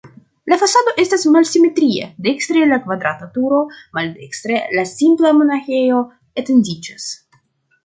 La fasado estas malsimetria, dekstre la kvadrata turo, maldekstre la simpla monaĥejo etendiĝas.